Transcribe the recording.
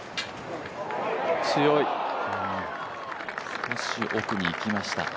少し奥にいきました。